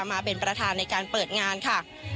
มาเป็นประธานในการเปิดงานค่ะ